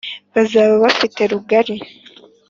bazaba bafite rugari”